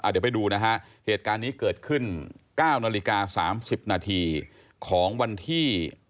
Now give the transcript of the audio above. เดี๋ยวไปดูนะฮะเหตุการณ์นี้เกิดขึ้น๙นาฬิกา๓๐นาทีของวันที่